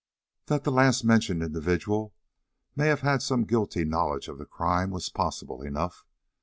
That the last mentioned individual may have had some guilty knowledge of the crime was possible enough.